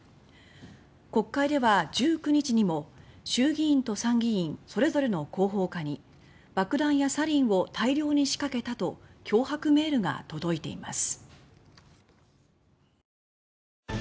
国会では、１９日にも衆議院と参議院それぞれの広報課に「爆弾やサリンを大量に仕掛けた」と脅迫メールが届いています。